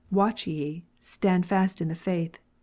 " Watch ye : stand fast in the faith.